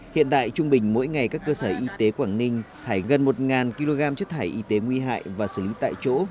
hiện tại trung bình mỗi ngày các cơ sở y tế quảng ninh thải gần một kg chất thải y tế nguy hại và xử lý tại chỗ